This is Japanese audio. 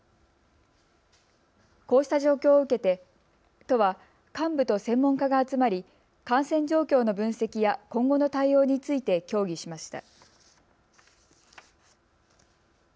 こうした状況を受けて都は幹部と専門家が集まり感染状況の分析や今後の対応について協議しました。